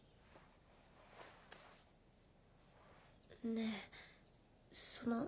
ねぇその。